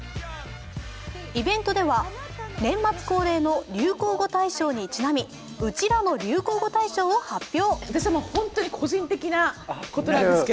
イベントでは、年末恒例の流行語大賞にちなみウチらの流行語大賞を発表！